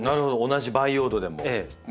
同じ培養土でも。